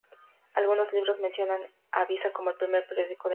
Algunos libros mencionan a "Avisa" como el primer periódico del mundo.